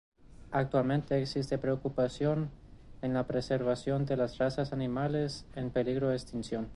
Actualmente existe preocupación en la preservación de las razas animales en peligro de extinción.